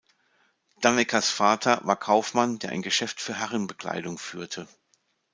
Danneckers Vater war Kaufmann, der ein Geschäft für Herrenbekleidung führte.